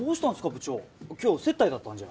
部長今日接待だったんじゃ？